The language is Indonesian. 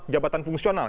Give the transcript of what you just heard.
empat jabatan fungsional